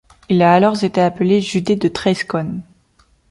Il a alors été appelé județ de trei Scaune.